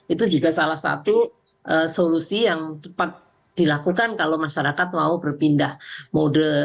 itu juga salah satu solusi yang cepat dilakukan kalau masyarakat mau berpindah mode